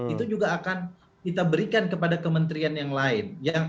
itu juga akan kita berikan kepada kementerian yang lain